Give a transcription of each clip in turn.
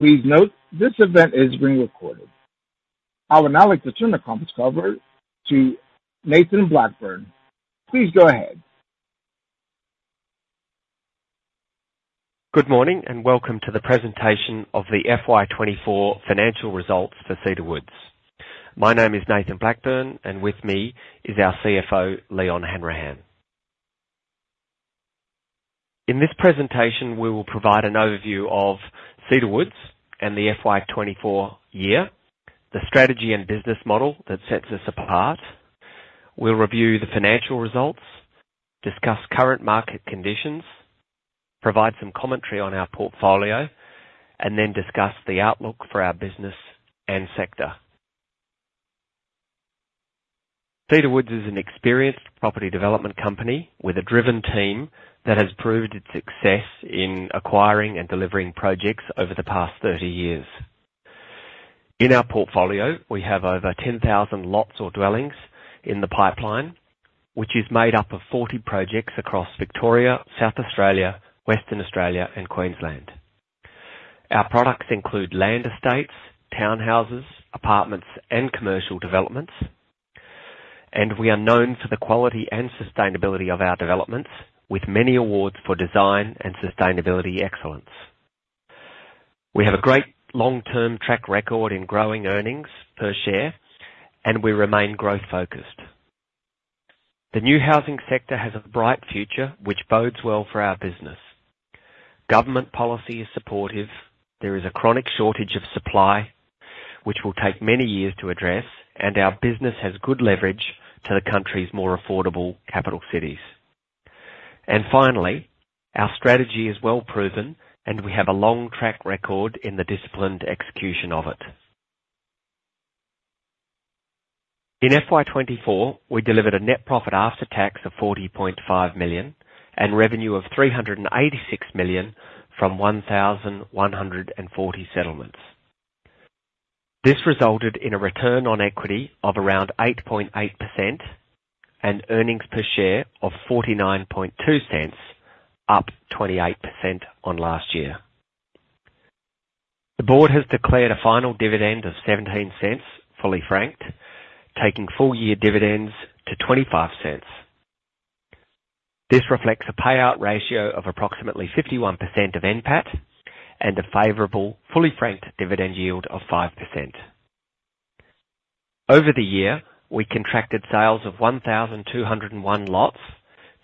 Please note, this event is being recorded. I would now like to turn the conference call over to Nathan Blackburne. Please go ahead. Good morning, and welcome to the presentation of the FY 2024 financial results for Cedar Woods. My name is Nathan Blackburne, and with me is our CFO, Leon Hanrahan. In this presentation, we will provide an overview of Cedar Woods and the FY 2024 year, the strategy and business model that sets us apart. We'll review the financial results, discuss current market conditions, provide some commentary on our portfolio, and then discuss the outlook for our business and sector. Cedar Woods is an experienced property development company with a driven team that has proved its success in acquiring and delivering projects over the past 30 years. In our portfolio, we have over 10,000 lots or dwellings in the pipeline, which is made up of 40 projects across Victoria, South Australia, Western Australia and Queensland. Our products include land estates, townhouses, apartments, and commercial developments. We are known for the quality and sustainability of our developments, with many awards for design and sustainability excellence. We have a great long-term track record in growing earnings per share, and we remain growth-focused. The new housing sector has a bright future, which bodes well for our business. Government policy is supportive. There is a chronic shortage of supply, which will take many years to address, and our business has good leverage to the country's more affordable capital cities. Finally, our strategy is well proven, and we have a long track record in the disciplined execution of it. In FY 2024, we delivered a net profit after tax of 40.5 million, and revenue of 386 million from 1,140 settlements. This resulted in a return on equity of around 8.8% and earnings per share of 0.492, up 28% on last year. The board has declared a final dividend of 0.17, fully franked, taking full-year dividends to 0.25. This reflects a payout ratio of approximately 51% of NPAT and a favorable, fully franked dividend yield of 5%. Over the year, we contracted sales of 1,201 lots,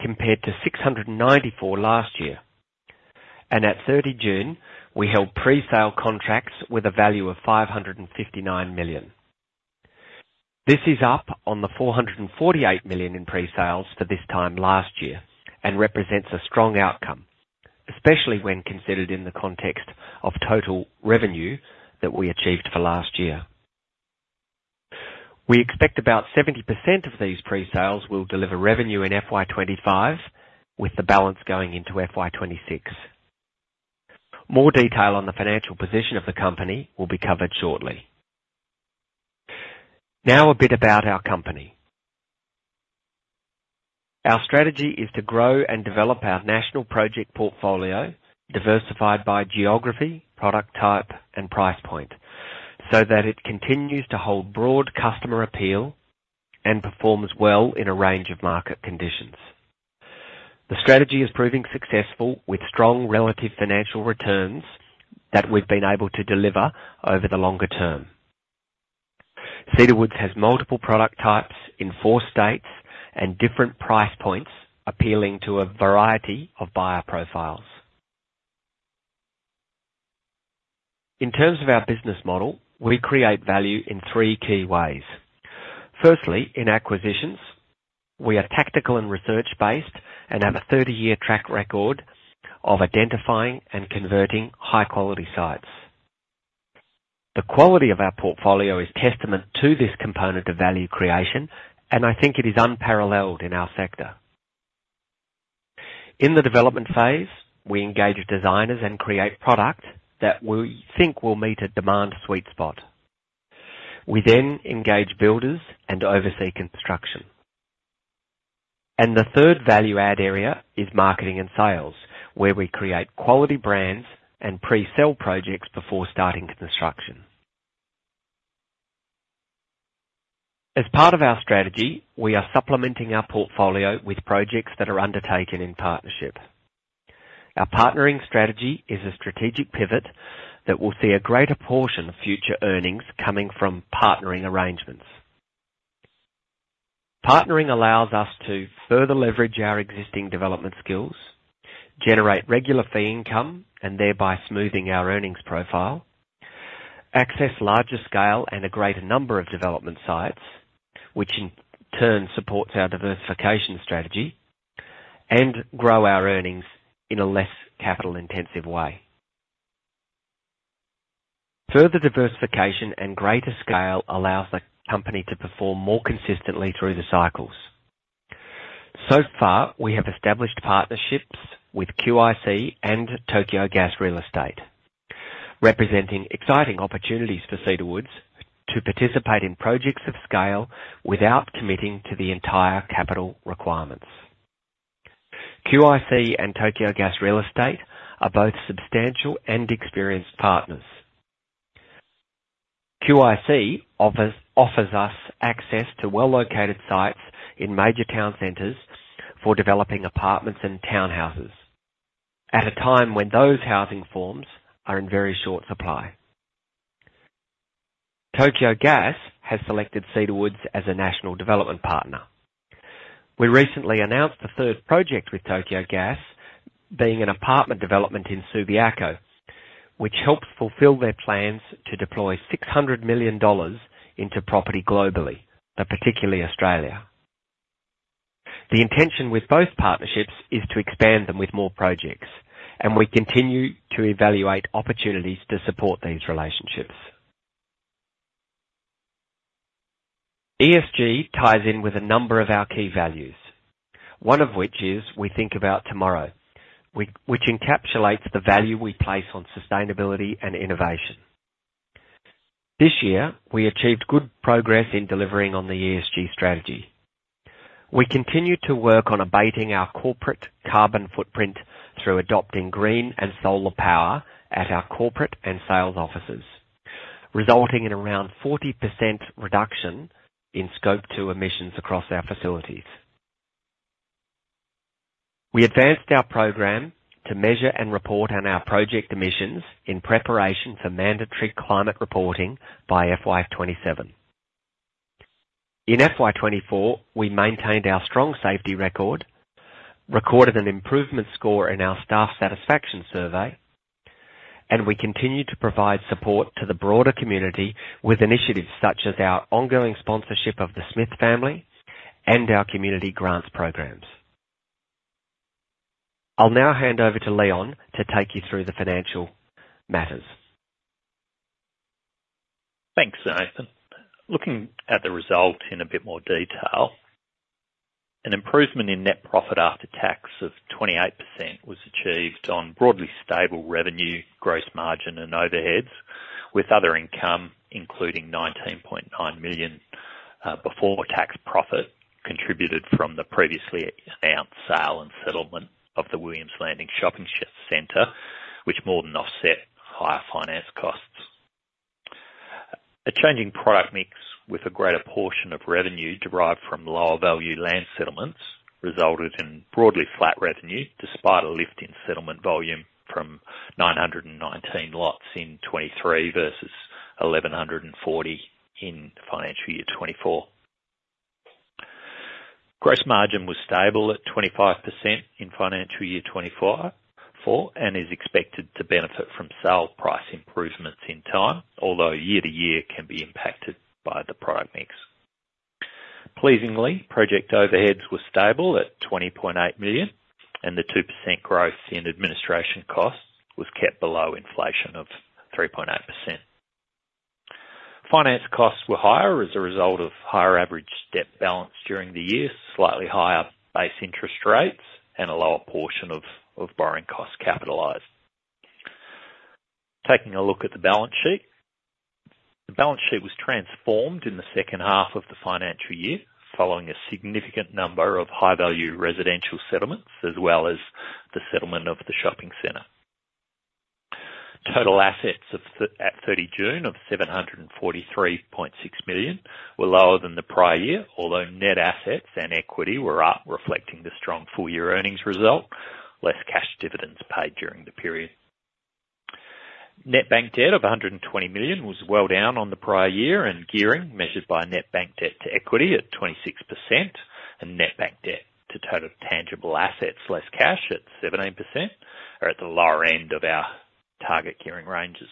compared to 694 last year. And at 30 June, we held pre-sale contracts with a value of 559 million. This is up on the 448 million in pre-sales for this time last year and represents a strong outcome, especially when considered in the context of total revenue that we achieved for last year. We expect about 70% of these pre-sales will deliver revenue in FY 2025, with the balance going into FY 2026. More detail on the financial position of the company will be covered shortly. Now, a bit about our company. Our strategy is to grow and develop our national project portfolio, diversified by geography, product type, and price point, so that it continues to hold broad customer appeal and performs well in a range of market conditions. The strategy is proving successful with strong relative financial returns that we've been able to deliver over the longer term. Cedar Woods has multiple product types in four states and different price points, appealing to a variety of buyer profiles. In terms of our business model, we create value in three key ways. Firstly, in acquisitions, we are tactical and research-based and have a 30-year track record of identifying and converting high-quality sites. The quality of our portfolio is testament to this component of value creation, and I think it is unparalleled in our sector. In the development phase, we engage designers and create products that we think will meet a demand sweet spot. We then engage builders and oversee construction. And the third value-add area is marketing and sales, where we create quality brands and pre-sell projects before starting construction. As part of our strategy, we are supplementing our portfolio with projects that are undertaken in partnership. Our partnering strategy is a strategic pivot that will see a greater portion of future earnings coming from partnering arrangements. Partnering allows us to further leverage our existing development skills, generate regular fee income, and thereby smoothing our earnings profile, access larger scale and a greater number of development sites, which in turn supports our diversification strategy, and grow our earnings in a less capital-intensive way. Further diversification and greater scale allows the company to perform more consistently through the cycles. So far, we have established partnerships with QIC and Tokyo Gas Real Estate, representing exciting opportunities for Cedar Woods to participate in projects of scale without committing to the entire capital requirements.... QIC and Tokyo Gas Real Estate are both substantial and experienced partners. QIC offers us access to well-located sites in major town centres for developing apartments and townhouses, at a time when those housing forms are in very short supply. Tokyo Gas has selected Cedar Woods as a national development partner. We recently announced the third project with Tokyo Gas, being an apartment development in Subiaco, which helps fulfill their plans to deploy 600 million dollars into property globally, but particularly Australia. The intention with both partnerships is to expand them with more projects, and we continue to evaluate opportunities to support these relationships. ESG ties in with a number of our key values, one of which is: we think about tomorrow, which encapsulates the value we place on sustainability and innovation. This year, we achieved good progress in delivering on the ESG strategy. We continued to work on abating our corporate carbon footprint through adopting green and solar power at our corporate and sales offices, resulting in around 40% reduction in Scope 2 emissions across our facilities. We advanced our program to measure and report on our project emissions in preparation for mandatory climate reporting by FY 2027. In FY 2024, we maintained our strong safety record, recorded an improvement score in our staff satisfaction survey, and we continued to provide support to the broader community with initiatives such as our ongoing sponsorship of The Smith Family and our community grants programs. I'll now hand over to Leon to take you through the financial matters. Thanks, Nathan. Looking at the result in a bit more detail, an improvement in net profit after tax of 28% was achieved on broadly stable revenue, gross margin, and overheads, with other income, including 19.9 million before tax profit, contributed from the previously announced sale and settlement of the Williams Landing Shopping Centre, which more than offset higher finance costs. A changing product mix, with a greater portion of revenue derived from lower-value land settlements, resulted in broadly flat revenue, despite a lift in settlement volume from 919 lots in 2023 versus 1,140 in financial year 2024. Gross margin was stable at 25% in financial year 2024, and is expected to benefit from sale price improvements in time, although year-to-year can be impacted by the product mix. Pleasingly, project overheads were stable at 20.8 million, and the 2% growth in administration costs was kept below inflation of 3.8%. Finance costs were higher as a result of higher average debt balance during the year, slightly higher base interest rates, and a lower portion of borrowing costs capitalized. Taking a look at the balance sheet. The balance sheet was transformed in the second half of the financial year, following a significant number of high-value residential settlements, as well as the settlement of the shopping centre. Total assets at 30 June of 743.6 million were lower than the prior year, although net assets and equity were up, reflecting the strong full-year earnings result, less cash dividends paid during the period. Net bank debt of 120 million was well down on the prior year, and gearing, measured by net bank debt to equity at 26%, and net bank debt to total tangible assets less cash at 17%, are at the lower end of our target gearing ranges.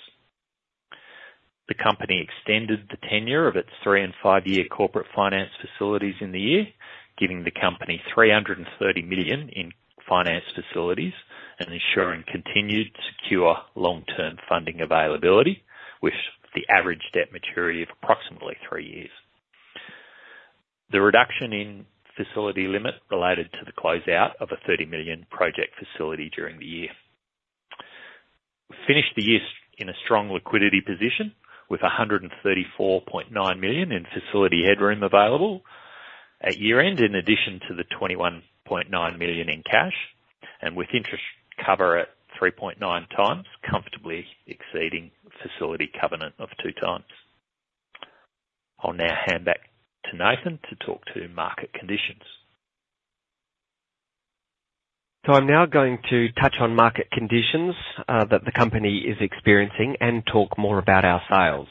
The company extended the tenure of its 3- and 5-year corporate finance facilities in the year, giving the company 330 million in finance facilities, and ensuring continued secure long-term funding availability, with the average debt maturity of approximately 3 years. The reduction in facility limit related to the closeout of a 30 million project facility during the year. Finished the year in a strong liquidity position, with 134.9 million in facility headroom available at year-end, in addition to the 21.9 million in cash, and with interest cover at 3.9 times, comfortably exceeding facility covenant of 2 times. I'll now hand back to Nathan to talk to market conditions. So I'm now going to touch on market conditions that the company is experiencing and talk more about our sales.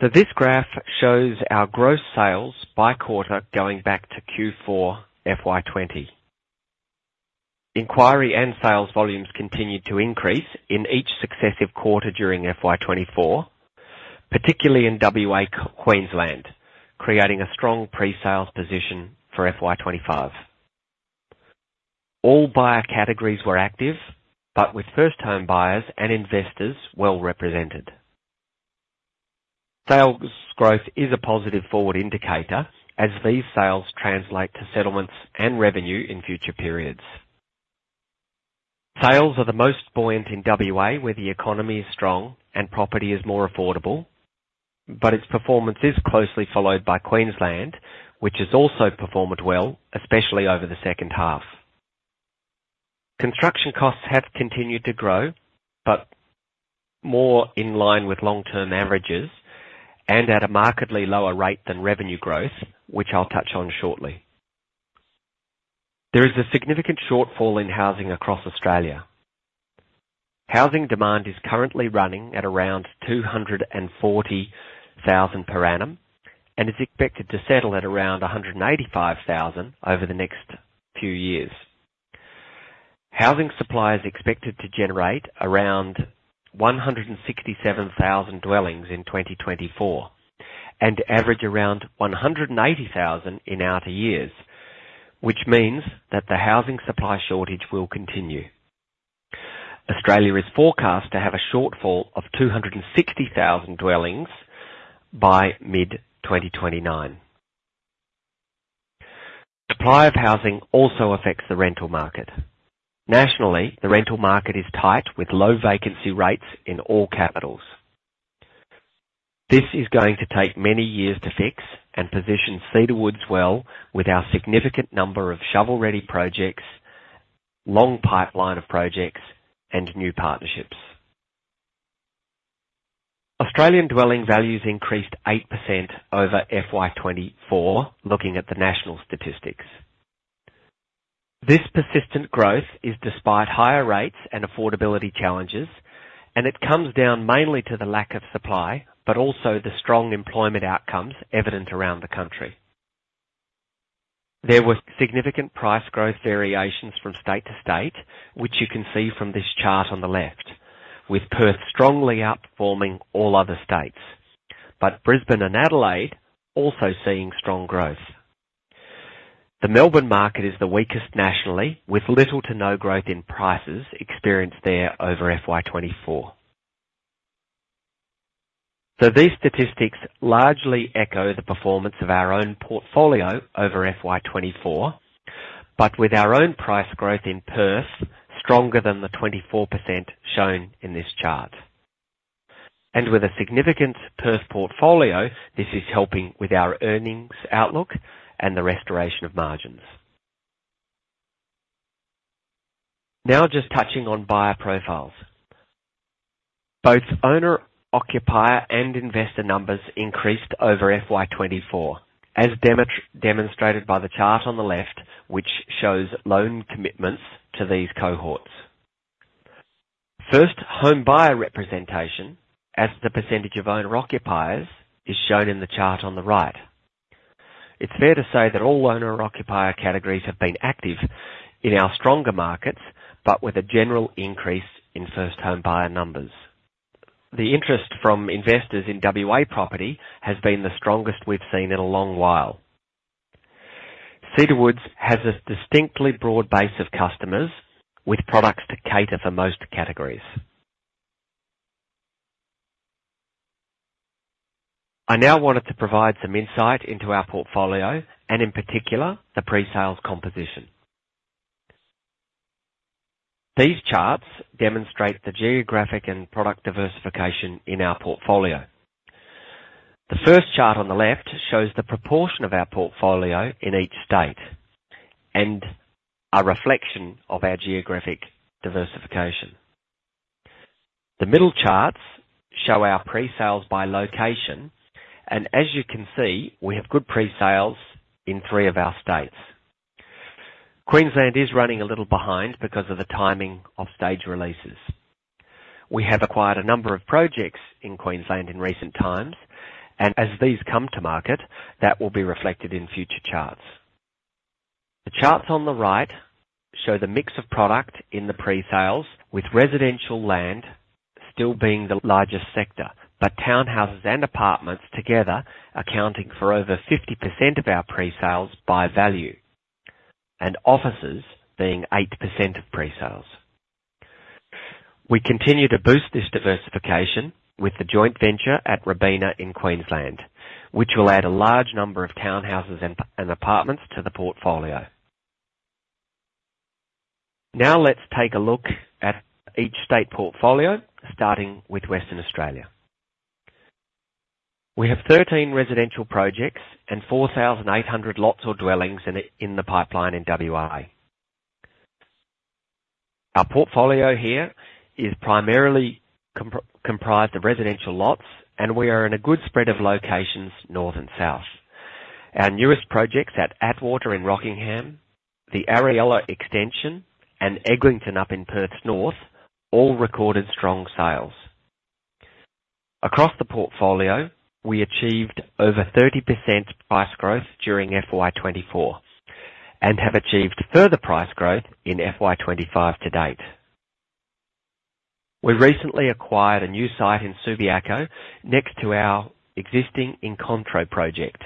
So this graph shows our gross sales by quarter, going back to Q4 FY 2020. Inquiry and sales volumes continued to increase in each successive quarter during FY 2024, particularly in WA, Queensland, creating a strong pre-sales position for FY 2025. All buyer categories were active, but with first-time buyers and investors well represented. Sales growth is a positive forward indicator, as these sales translate to settlements and revenue in future periods. Sales are the most buoyant in WA, where the economy is strong and property is more affordable, but its performance is closely followed by Queensland, which has also performed well, especially over the second half. Construction costs have continued to grow, but more in line with long-term averages and at a markedly lower rate than revenue growth, which I'll touch on shortly. There is a significant shortfall in housing across Australia. Housing demand is currently running at around 240,000 per annum and is expected to settle at around 185,000 over the next few years. Housing supply is expected to generate around 167,000 dwellings in 2024 and average around 180,000 in outer years, which means that the housing supply shortage will continue. Australia is forecast to have a shortfall of 260,000 dwellings by mid 2029. Supply of housing also affects the rental market. Nationally, the rental market is tight, with low vacancy rates in all capitals. This is going to take many years to fix and position Cedar Woods well with our significant number of shovel-ready projects, long pipeline of projects, and new partnerships. Australian dwelling values increased 8% over FY 2024, looking at the national statistics. This persistent growth is despite higher rates and affordability challenges, and it comes down mainly to the lack of supply, but also the strong employment outcomes evident around the country. There was significant price growth variations from state to state, which you can see from this chart on the left, with Perth strongly outperforming all other states, but Brisbane and Adelaide also seeing strong growth. The Melbourne market is the weakest nationally, with little to no growth in prices experienced there over FY 2024. These statistics largely echo the performance of our own portfolio over FY 2024, but with our own price growth in Perth stronger than the 24% shown in this chart. With a significant Perth portfolio, this is helping with our earnings outlook and the restoration of margins. Now, just touching on buyer profiles. Both owner-occupier and investor numbers increased over FY 2024, as demonstrated by the chart on the left, which shows loan commitments to these cohorts. First home buyer representation, as the percentage of owner-occupiers, is shown in the chart on the right. It's fair to say that all owner-occupier categories have been active in our stronger markets, but with a general increase in first home buyer numbers. The interest from investors in WA property has been the strongest we've seen in a long while. Cedar Woods has a distinctly broad base of customers with products to cater for most categories. I now wanted to provide some insight into our portfolio and in particular, the pre-sales composition. These charts demonstrate the geographic and product diversification in our portfolio. The first chart on the left shows the proportion of our portfolio in each state and a reflection of our geographic diversification. The middle charts show our pre-sales by location, and as you can see, we have good pre-sales in three of our states. Queensland is running a little behind because of the timing of stage releases. We have acquired a number of projects in Queensland in recent times, and as these come to market, that will be reflected in future charts. The charts on the right show the mix of product in the pre-sales, with residential land still being the largest sector, but townhouses and apartments together accounting for over 50% of our pre-sales by value, and offices being 8% of pre-sales. We continue to boost this diversification with the joint venture at Robina in Queensland, which will add a large number of townhouses and apartments to the portfolio. Now, let's take a look at each state portfolio, starting with Western Australia. We have 13 residential projects and 4,800 lots or dwellings in the pipeline in WA. Our portfolio here is primarily comprised of residential lots, and we are in a good spread of locations, north and south. Our newest projects at Atwater in Rockingham, the Ariella extension, and Eglinton up in Perth's north, all recorded strong sales. Across the portfolio, we achieved over 30% price growth during FY 2024 and have achieved further price growth in FY 2025 to date. We recently acquired a new site in Subiaco, next to our existing Incontro project,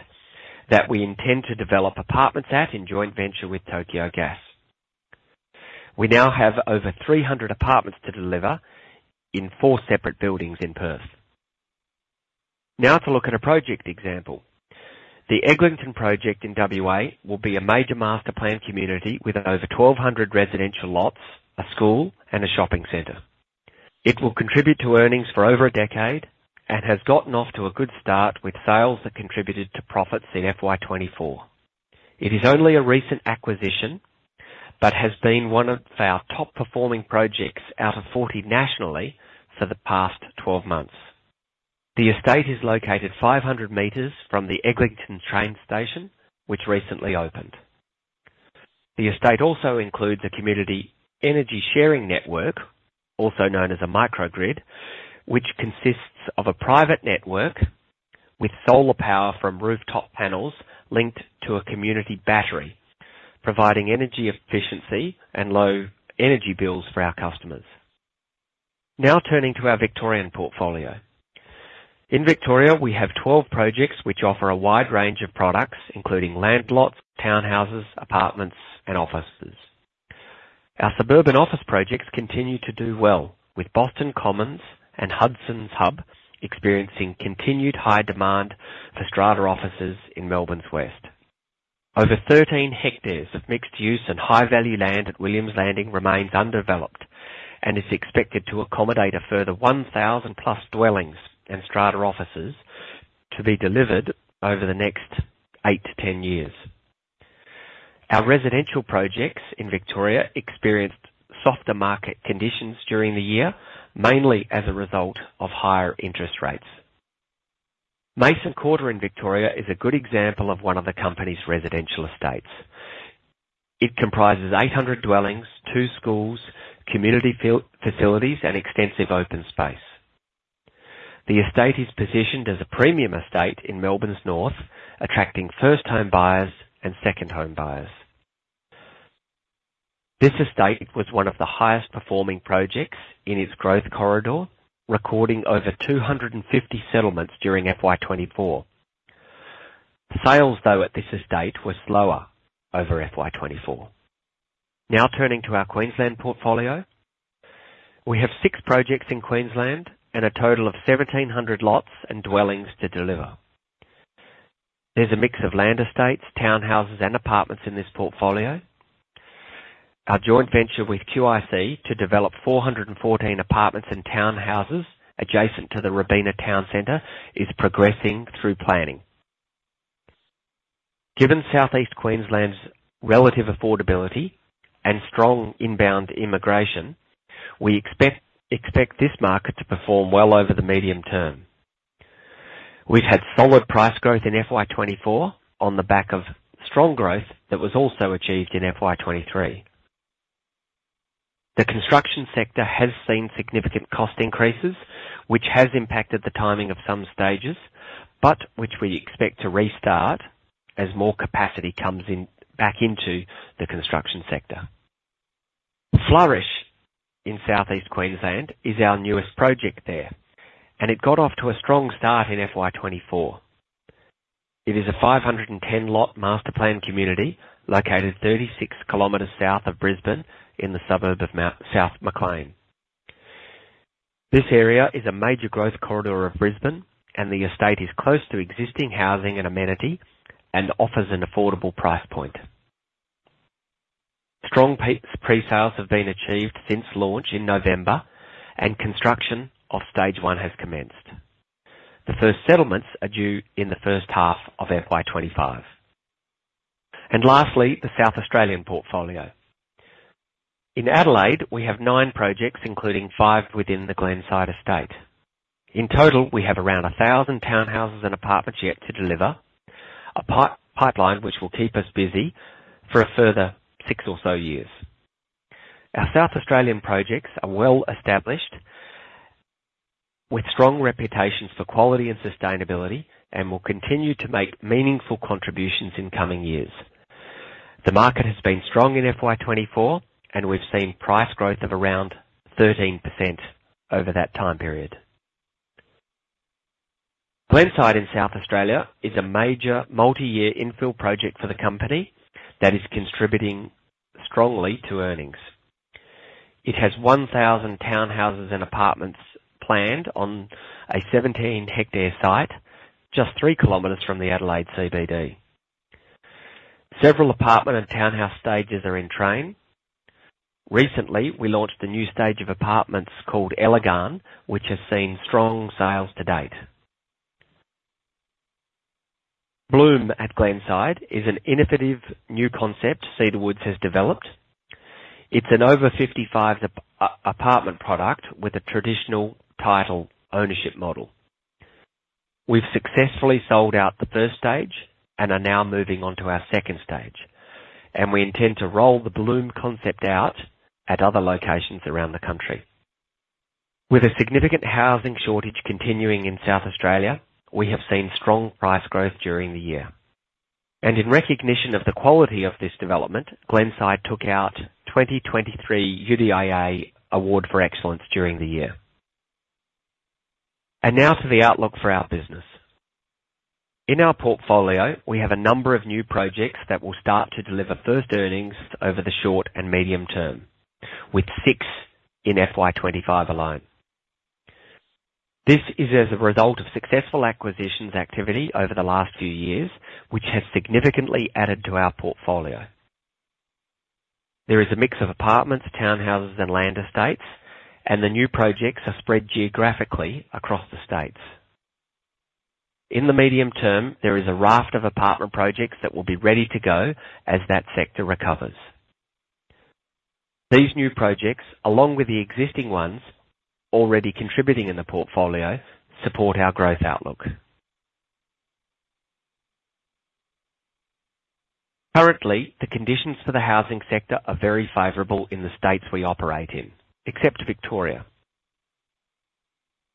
that we intend to develop apartments at in joint venture with Tokyo Gas. We now have over 300 apartments to deliver in 4 separate buildings in Perth. Now to look at a project example. The Eglinton project in WA will be a major master planned community with over 1,200 residential lots, a school, and a shopping centre. It will contribute to earnings for over a decade and has gotten off to a good start with sales that contributed to profits in FY 2024. It is only a recent acquisition, but has been one of our top performing projects out of 40 nationally for the past 12 months. The estate is located 500 meters from the Eglinton train station, which recently opened. The estate also includes a community energy sharing network, also known as a microgrid, which consists of a private network with solar power from rooftop panels linked to a community battery, providing energy efficiency and low energy bills for our customers. Now turning to our Victorian portfolio. In Victoria, we have 12 projects which offer a wide range of products, including land lots, townhouses, apartments and offices. Our suburban office projects continue to do well, with Boston Commons and Hudson Hub experiencing continued high demand for strata offices in Melbourne's West. Over 13 hectares of mixed use and high-value land at Williams Landing remains undeveloped and is expected to accommodate a further 1,000+ dwellings and strata offices to be delivered over the next 8 years-10 years. Our residential projects in Victoria experienced softer market conditions during the year, mainly as a result of higher interest rates. Mason Quarter in Victoria is a good example of one of the company's residential estates. It comprises 800 dwellings, 2 schools, community facilities, and extensive open space. The estate is positioned as a premium estate in Melbourne's north, attracting first-time buyers and second-home buyers. This estate was one of the highest performing projects in its growth corridor, recording over 250 settlements during FY24. Sales, though, at this estate were slower over FY24. Now turning to our Queensland portfolio. We have 6 projects in Queensland and a total of 1,700 lots and dwellings to deliver. There's a mix of land estates, townhouses, and apartments in this portfolio. Our joint venture with QIC to develop 414 apartments and townhouses adjacent to the Robina Town Centre is progressing through planning. Given Southeast Queensland's relative affordability and strong inbound immigration, we expect this market to perform well over the medium term. We've had solid price growth in FY 2024 on the back of strong growth that was also achieved in FY 2023. The construction sector has seen significant cost increases, which has impacted the timing of some stages, but which we expect to restart as more capacity comes in, back into the construction sector. Flourish in Southeast Queensland is our newest project there, and it got off to a strong start in FY 2024. It is a 510 lot master planned community located 36 kilometers south of Brisbane in the suburb of South Maclean. This area is a major growth corridor of Brisbane, and the estate is close to existing housing and amenity and offers an affordable price point. Strong pre-sales have been achieved since launch in November, and construction of stage one has commenced. The first settlements are due in the first half of FY 2025. Lastly, the South Australian portfolio. In Adelaide, we have nine projects, including five within the Glenside estate. In total, we have around 1,000 and townhouses and apartments yet to deliver, a pipeline which will keep us busy for a further six or so years. Our South Australian projects are well established, with strong reputations for quality and sustainability, and will continue to make meaningful contributions in coming years. The market has been strong in FY 2024, and we've seen price growth of around 13% over that time period. Glenside in South Australia is a major multi-year infill project for the company that is contributing strongly to earnings. It has 1,000 townhouses and apartments planned on a 17 hectare site just three kilometers from the Adelaide CBD. Several apartment and townhouse stages are in train. Recently, we launched a new stage of apartments called Elegance, which has seen strong sales to date. Bloom at Glenside is an innovative new concept Cedar Woods has developed. It's an over 55 apartment product with a traditional title ownership model. We've successfully sold out the first stage and are now moving on to our second stage, and we intend to roll the Bloom concept out at other locations around the country. With a significant housing shortage continuing in South Australia, we have seen strong price growth during the year, and in recognition of the quality of this development, Glenside took out 2023 UDIA Award for Excellence during the year. And now for the outlook for our business. In our portfolio, we have a number of new projects that will start to deliver first earnings over the short and medium term, with six in FY 2025 alone. This is as a result of successful acquisitions activity over the last few years, which has significantly added to our portfolio. There is a mix of apartments, townhouses, and land estates, and the new projects are spread geographically across the states. In the medium term, there is a raft of apartment projects that will be ready to go as that sector recovers. These new projects, along with the existing ones already contributing in the portfolio, support our growth outlook. Currently, the conditions for the housing sector are very favorable in the states we operate in, except Victoria.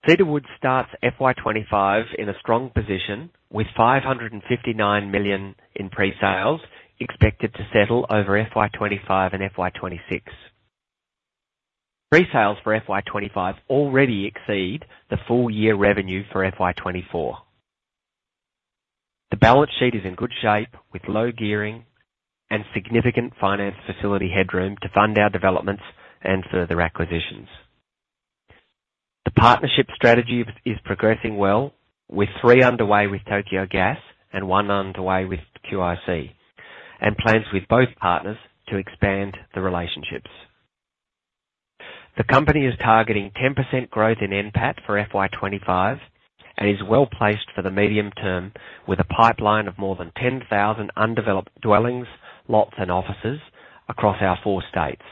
Cedar Woods starts FY 2025 in a strong position with 559 million in pre-sales, expected to settle over FY 2025 and FY 2026. Pre-sales for FY 2025 already exceed the full year revenue for FY 2024. The balance sheet is in good shape, with low gearing and significant finance facility headroom to fund our developments and further acquisitions. The partnership strategy is progressing well, with three underway with Tokyo Gas and one underway with QIC, and plans with both partners to expand the relationships. The company is targeting 10% growth in NPAT for FY 2025 and is well-placed for the medium term, with a pipeline of more than 10,000 undeveloped dwellings, lots and offices across our four states.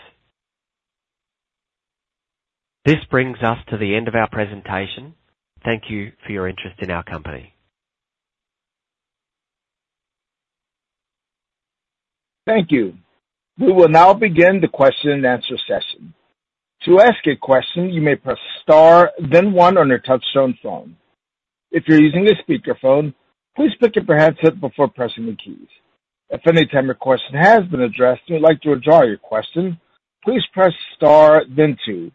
This brings us to the end of our presentation. Thank you for your interest in our company. Thank you. We will now begin the question and answer session. To ask a question, you may press star, then one on your touchtone phone. If you're using a speakerphone, please pick up your handset before pressing the keys. If any time your question has been addressed and you'd like to withdraw your question, please press star, then two.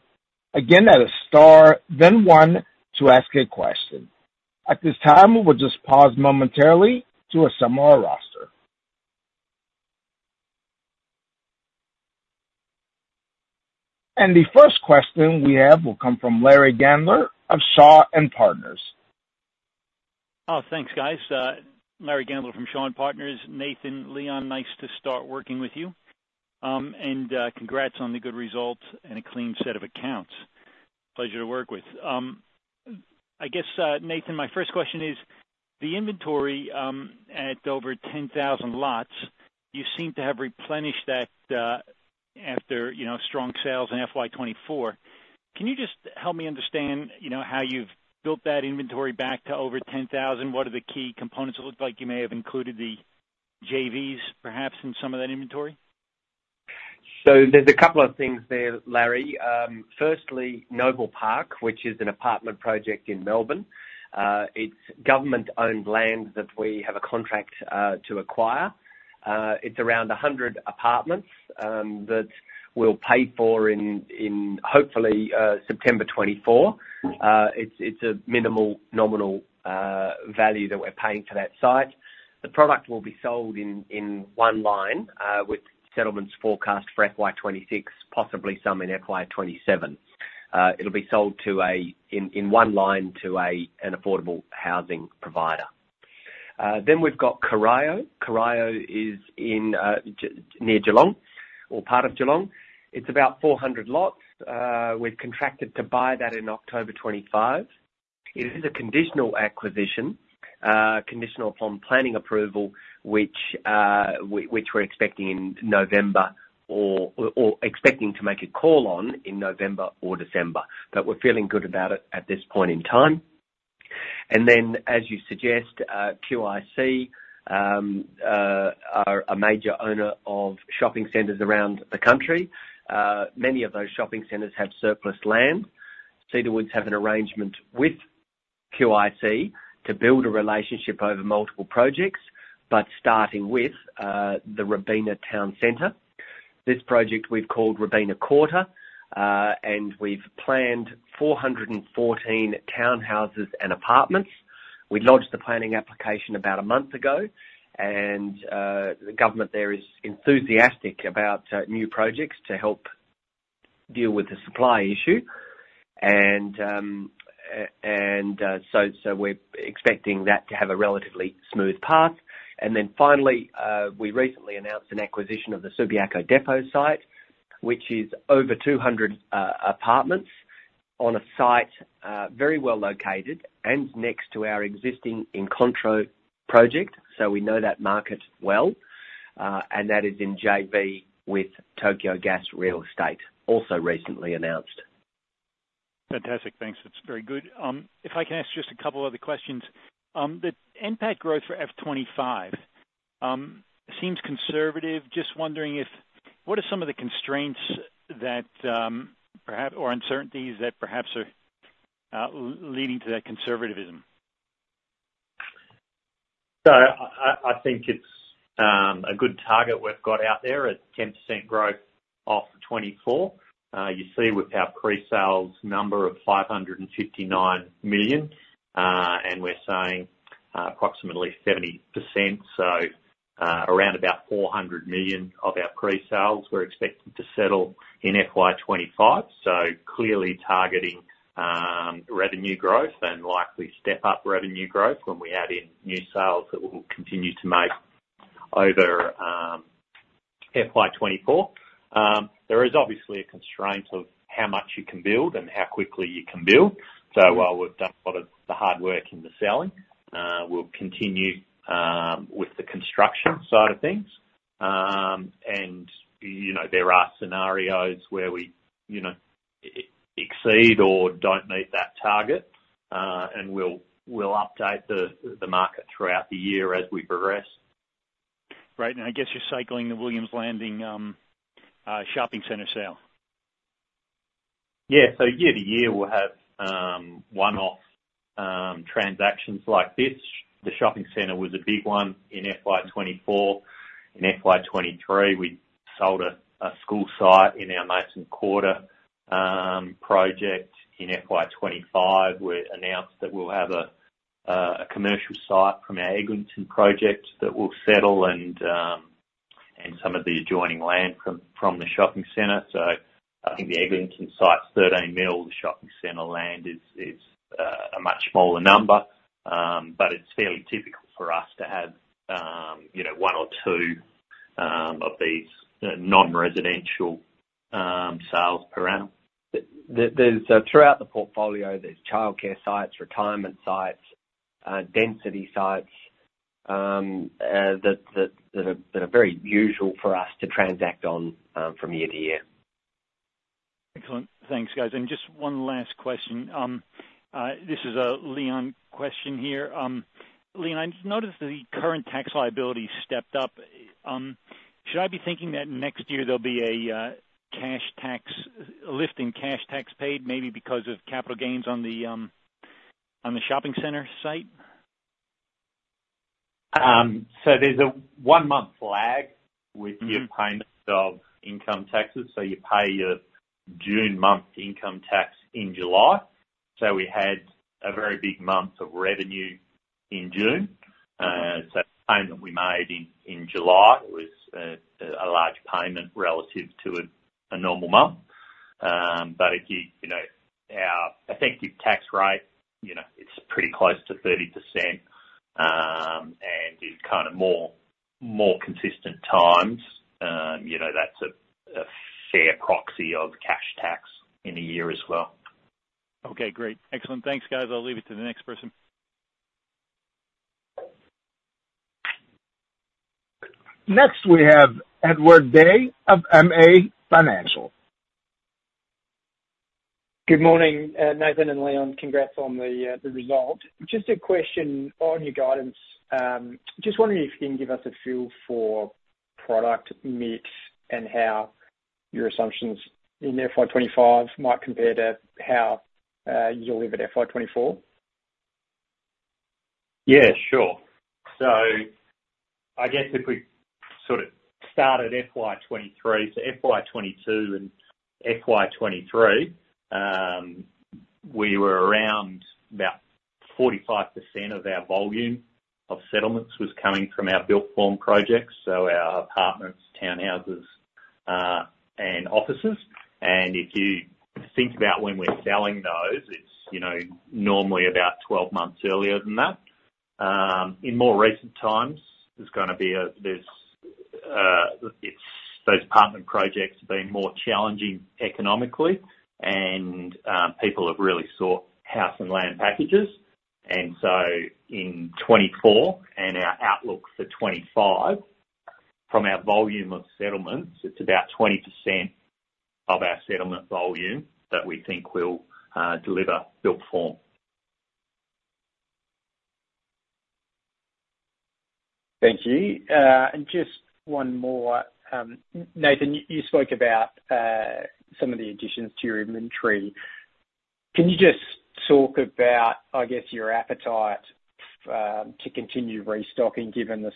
Again, that is star, then one to ask a question. At this time, we'll just pause momentarily to assemble our roster, and the first question we have will come from Larry Gandler of Shaw and Partners. Oh, thanks, guys. Larry Gandler from Shaw and Partners. Nathan, Leon, nice to start working with you and congrats on the good results and a clean set of accounts. Pleasure to work with. I guess, Nathan, my first question is the inventory at over 10,000 lots. You seem to have replenished that after, you know, strong sales in FY 2024. Can you just help me understand, you know, how you've built that inventory back to over 10,000? What are the key components? It looks like you may have included the JVs, perhaps, in some of that inventory. So there's a couple of things there, Larry. Firstly, Noble Park, which is an apartment project in Melbourne. It's government-owned land that we have a contract to acquire. It's around 100 apartments that we'll pay for in hopefully September 2024. It's a minimal, nominal value that we're paying for that site. The product will be sold in one line with settlements forecast for FY 2026, possibly some in FY 2027. It'll be sold in one line to an affordable housing provider. Then we've got Corio. Corio is in just near Geelong or part of Geelong. It's about 400 lots. We've contracted to buy that in October 2025. It is a conditional acquisition, conditional upon planning approval, which we're expecting in November or expecting to make a call on in November or December. But we're feeling good about it at this point in time, and then, as you suggest, QIC are a major owner of shopping centres around the country. Many of those shopping centres have surplus land. Cedar Woods have an arrangement with QIC to build a relationship over multiple projects, but starting with the Robina Town Centre. This project we've called Robina Quarter, and we've planned 414 townhouses and apartments. We launched the planning application about a month ago, and the government there is enthusiastic about new projects to help deal with the supply issue, and so we're expecting that to have a relatively smooth path. And then finally, we recently announced an acquisition of the Subiaco Depot site, which is over 200 apartments on a site, very well located and next to our existing Incontro project, so we know that market well, and that is in JV with Tokyo Gas Real Estate, also recently announced. Fantastic. Thanks. That's very good. If I can ask just a couple other questions. The NPAT growth for FY 2025 seems conservative. Just wondering if, what are some of the constraints that, perhaps, or uncertainties that perhaps are leading to that conservatism? I think it's a good target we've got out there at 10% growth off 2024. You see with our pre-sales number of 559 million, and we're saying approximately 70%. So around about 400 million of our pre-sales, we're expecting to settle in FY 2025. So clearly targeting revenue growth and likely step up revenue growth when we add in new sales that we'll continue to make over FY 2024. There is obviously a constraint of how much you can build and how quickly you can build. So while we've done a lot of the hard work in the selling, we'll continue with the construction side of things. You know, there are scenarios where we, you know, exceed or don't meet that target, and we'll update the market throughout the year as we progress. Great. And I guess you're cycling the Williams Landing Shopping Centre sale? Yeah. So year to year, we'll have one-off transactions like this. The shopping centre was a big one in FY 2024. In FY 2023, we sold a school site in our Mason Quarter project. In FY 2025, we announced that we'll have a commercial site from our Eglinton project that will settle and some of the adjoining land from the shopping centre. So I think the Eglinton site's 13 million, the shopping centre land is a much smaller number. But it's fairly typical for us to have you know one or two of these non-residential sales per annum. So throughout the portfolio, there's childcare sites, retirement sites, density sites that are very usual for us to transact on from year to year. Excellent. Thanks, guys. And just one last question. This is a Leon question here. Leon, I noticed the current tax liability stepped up. Should I be thinking that next year there'll be a cash tax, a lift in cash tax paid, maybe because of capital gains on the shopping centre site? So there's a one-month lag with- Mm-hmm... the payment of income taxes, so you pay your June month income tax in July. So we had a very big month of revenue in June. So the payment we made in July was a large payment relative to a normal month. But if you, you know, our effective tax rate, you know, it's pretty close to 30%, and in kind of more consistent times, you know, that's a fair proxy of cash tax in a year as well. Okay, great. Excellent. Thanks, guys. I'll leave it to the next person. Next, we have Edward Day of MA Financial. Good morning, Nathan and Leon. Congrats on the result. Just a question on your guidance. Just wondering if you can give us a feel for product mix and how your assumptions in FY 2025 might compare to how you'll leave at FY 2024? Yeah, sure. So I guess if we sort of start at FY 2023, so FY 2022 and FY 2023, we were around about 45% of our volume of settlements was coming from our built form projects, so our apartments, townhouses, and offices. And if you think about when we're selling those, it's, you know, normally about 12 months earlier than that. In more recent times, it's those apartment projects have been more challenging economically and, people have really sought house and land packages. And so in 2024 and our outlook for 2025, from our volume of settlements, it's about 20% of our settlement volume that we think will deliver built form. Thank you. And just one more. Nathan, you spoke about some of the additions to your inventory. Can you just talk about, I guess, your appetite to continue restocking, given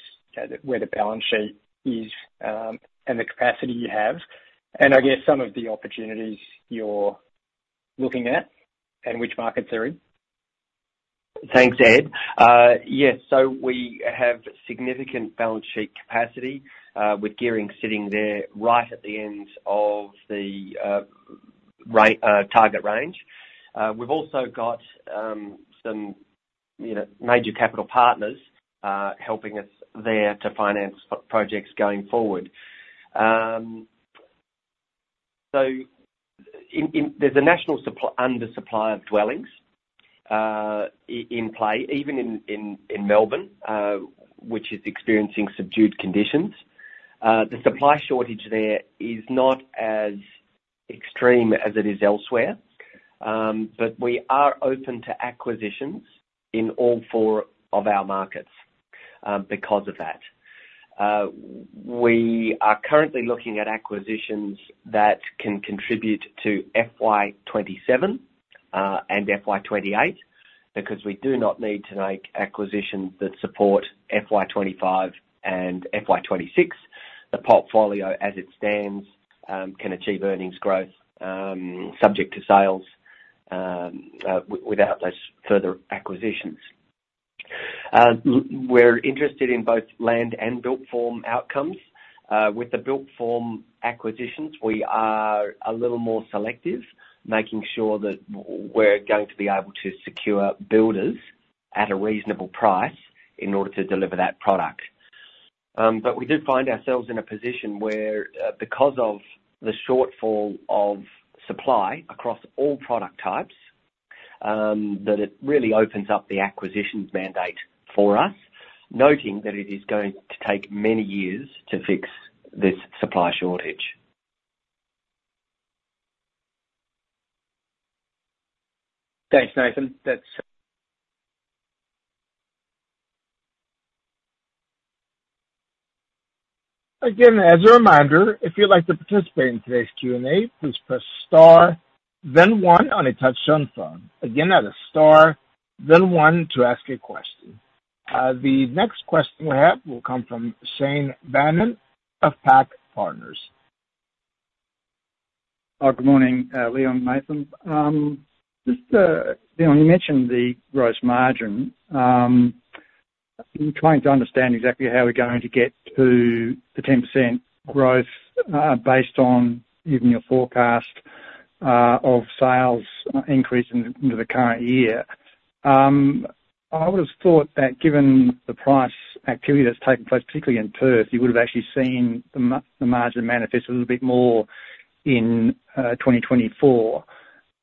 where the balance sheet is, and the capacity you have, and I guess some of the opportunities you're looking at and which markets they're in? Thanks, Ed. Yes, so we have significant balance sheet capacity with gearing sitting there right at the end of the target range. We've also got some, you know, major capital partners helping us there to finance projects going forward. So there's a national undersupply of dwellings in play, even in Melbourne, which is experiencing subdued conditions. The supply shortage there is not as extreme as it is elsewhere, but we are open to acquisitions in all four of our markets because of that. We are currently looking at acquisitions that can contribute to FY 2027 and FY 2028, because we do not need to make acquisitions that support FY 2025 and FY 2026. The portfolio, as it stands, can achieve earnings growth, subject to sales, without less further acquisitions. We're interested in both land and built form outcomes. With the built form acquisitions, we are a little more selective, making sure that we're going to be able to secure builders at a reasonable price in order to deliver that product. But we do find ourselves in a position where, because of the shortfall of supply across all product types, that it really opens up the acquisitions mandate for us, noting that it is going to take many years to fix this supply shortage. Thanks, Nathan. That's- Again, as a reminder, if you'd like to participate in today's Q&A, please press star, then one on a touchtone phone. Again, that is star, then one to ask a question. The next question we have will come from Shane Bannon of PAC Partners. Good morning, Leon and Nathan. Just, Leon, you mentioned the gross margin. I'm trying to understand exactly how we're going to get to the 10% growth, based on even your forecast, of sales increase in, into the current year. I would have thought that given the price activity that's taken place, particularly in Perth, you would have actually seen the margin manifest a little bit more in, 2024.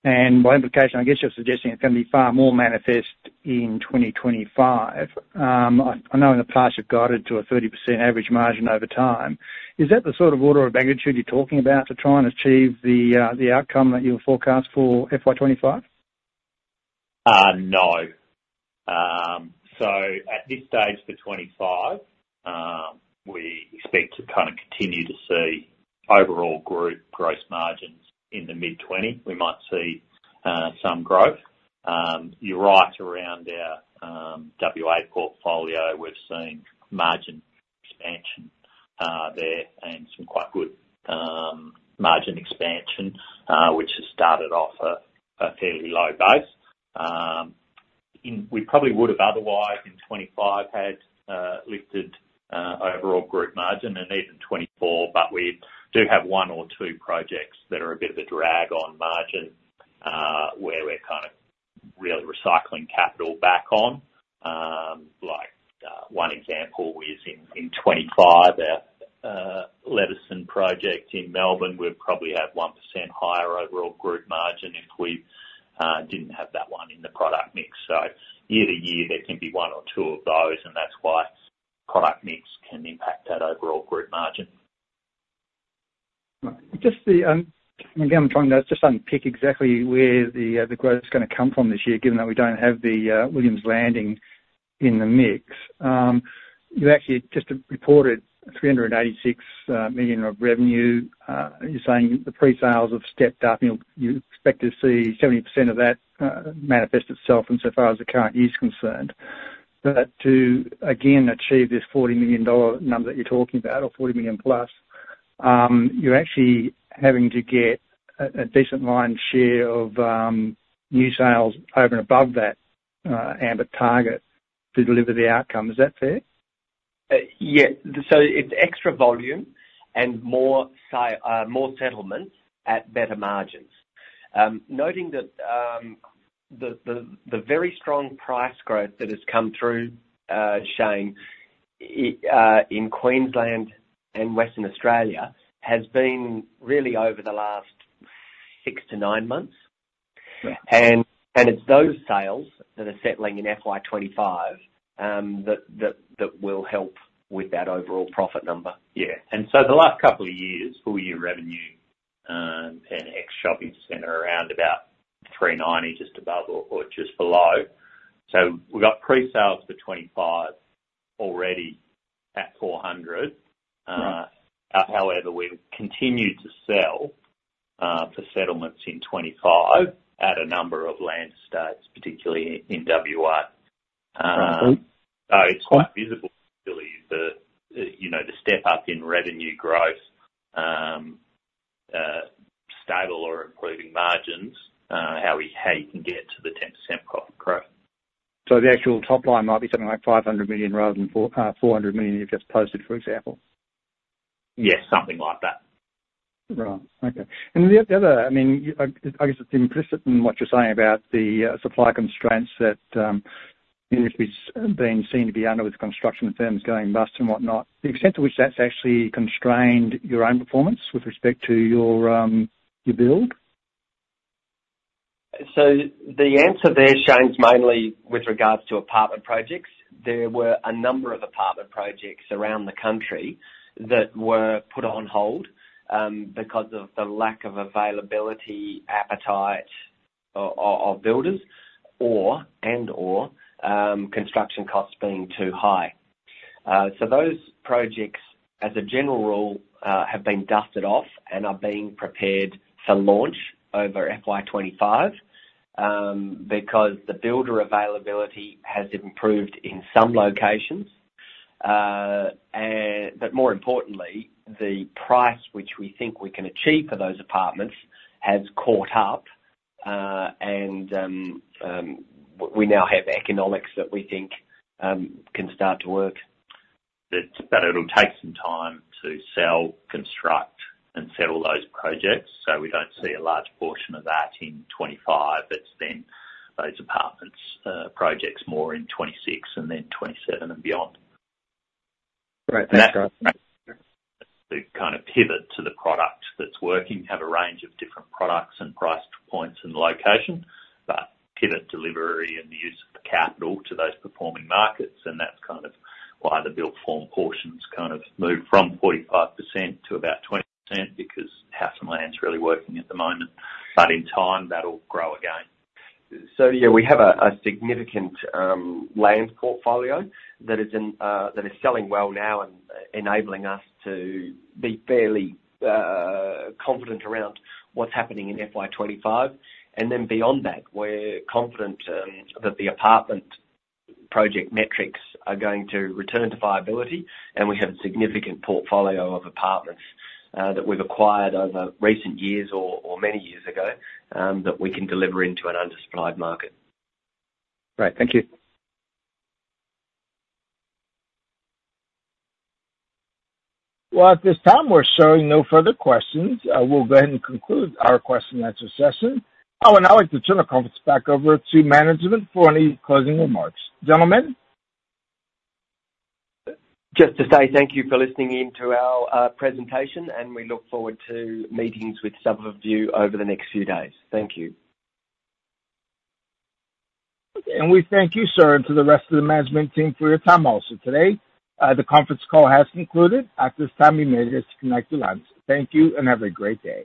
And by implication, I guess you're suggesting it's gonna be far more manifest in 2025. I know in the past you've guided to a 30% average margin over time. Is that the sort of order of magnitude you're talking about to try and achieve the, the outcome that you forecast for FY 2025? No. So at this stage, for 2025, we expect to kind of continue to see overall group gross margins in the mid-20s%. We might see some growth. You're right around our WA portfolio. We've seen margin expansion there and some quite good margin expansion, which has started off a fairly low base. We probably would have otherwise, in 2025, had lifted overall group margin and even 2024, but we do have one or two projects that are a bit of a drag on margin, where we're kind of really recycling capital back on. Like, one example is in 2025, our Leveson project in Melbourne would probably have 1% higher overall group margin if we didn't have that one in the product mix. So year to year, there can be one or two of those, and that's why product mix can impact that overall group margin. Right. Just the, again, I'm trying to just unpick exactly where the, the growth is gonna come from this year, given that we don't have the, Williams Landing in the mix. You've actually just reported 386 million of revenue. You're saying the pre-sales have stepped up, and you expect to see 70% of that, manifest itself in so far as the current year is concerned. But to again achieve this 40 million dollar number that you're talking about, or 40+ million, you're actually having to get a decent lion's share of, new sales over and above that, ambit target to deliver the outcome. Is that fair? Yeah. So it's extra volume and more settlements at better margins. Noting that the very strong price growth that has come through, Shane, in Queensland and Western Australia, has been really over the last six to nine months. Yeah. It's those sales that are settling in FY 2025 that will help with that overall profit number. Yeah, and so the last couple of years, full year revenue, and ex shopping centre, around about $390, just above or just below. So we've got pre-sales for 2025 already at $400. Right. However, we've continued to sell for settlements in 2025 at a number of land sites, particularly in WA. Mm-hmm. So it's quite visible, really, you know, the step-up in revenue growth, stable or improving margins, how you can get to the 10% profit growth. So the actual top line might be something like 500 million rather than 400 million you've just posted, for example? Yes, something like that. Right. Okay. And the other, I mean, I guess it's implicit in what you're saying about the supply constraints that the industry's been seen to be under with construction firms going bust and whatnot. The extent to which that's actually constrained your own performance with respect to your build? So the answer there, Shane, is mainly with regards to apartment projects. There were a number of apartment projects around the country that were put on hold because of the lack of availability or appetite of builders or and/or construction costs being too high. So those projects, as a general rule, have been dusted off and are being prepared for launch over FY 2025 because the builder availability has improved in some locations. But more importantly, the price which we think we can achieve for those apartments has caught up, and we now have economics that we think can start to work. But it'll take some time to sell, construct, and settle those projects, so we don't see a large portion of that in 2025. It's been those apartments projects more in 2026 and then 2027 and beyond. Great. Thanks, guys. The kind of pivot to the product that's working, have a range of different products and price points and location, but pivot delivery and the use of the capital to those performing markets, and that's kind of why the built form portions kind of moved from 45% to about 20%, because house and land's really working at the moment, but in time, that'll grow again. So yeah, we have a significant land portfolio that is selling well now and enabling us to be fairly confident around what's happening in FY 2025, and then beyond that, we're confident that the apartment project metrics are going to return to viability, and we have a significant portfolio of apartments that we've acquired over recent years or many years ago that we can deliver into an undersupplied market. Great. Thank you. Well, at this time, we're showing no further questions. We'll go ahead and conclude our question and answer session. I would now like to turn the conference back over to management for any closing remarks. Gentlemen? Just to say thank you for listening in to our presentation, and we look forward to meetings with some of you over the next few days. Thank you. And we thank you, sir, and to the rest of the management team for your time also today. The conference call has concluded. At this time, you may disconnect your lines. Thank you, and have a great day.